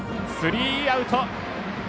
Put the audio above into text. スリーアウト。